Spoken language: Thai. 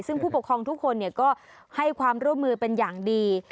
ซึ่งผู้ปกครองทุกคนก็ให้ความร่วมมือเป็นอย่างดี